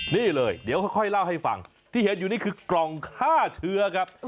นี่เลยเดี๋ยวค่อยเล่าให้ฟังที่เห็นอยู่นี่คือกล่องฆ่าเชื้อครับ